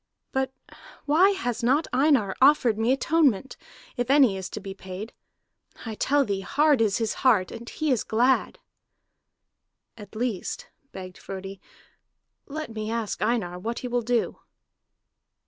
But why has not Einar offered me atonement, if any is to be paid? I tell thee, hard is his heart, and he is glad!" "At least," begged Frodi, "let me ask Einar what he will do."